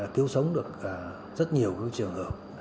cứu sống được rất nhiều trường hợp